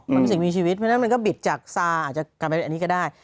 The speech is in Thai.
มันเป็นสิ่งมีชีวิตเพราะฉะนั้นมันก็บิดจากซาอาจจะกลับไปอันนี้ก็ได้